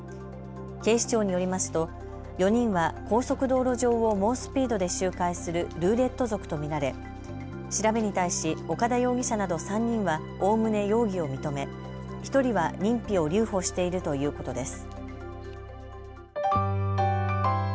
警視庁によりますと４人は高速道路上を猛スピードで周回するルーレット族と見られ調べに対し岡田容疑者など３人はおおむね容疑を認め、１人は認否を留保しているということです。